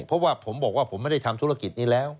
เพราะว่าผมบอกว่าผมไม่ได้ทำธุรกิจนี้แล้ว